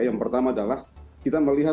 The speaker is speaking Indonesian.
yang pertama adalah